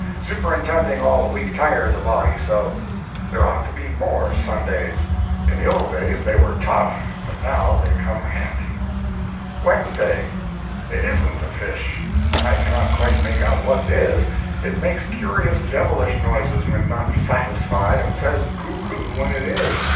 Superintending all the week tires a body so. There ought to be more Sundays. In the old days they were tough, but now they come handy. WEDNESDAY. It isn't a fish. I cannot quite make out what it is. It makes curious devilish noises when not satisfied, and says "goo goo" when it is.